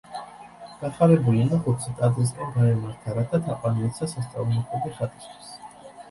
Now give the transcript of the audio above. გახარებული მოხუცი ტაძრისკენ გაემართა, რათა თაყვანი ეცა სასწაულმოქმედი ხატისთვის.